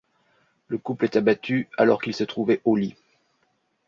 Le couple est abattu alors qu'il se trouvait au lit.